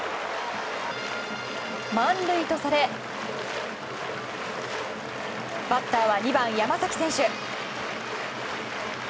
満塁とされ、バッターは２番、山崎選手。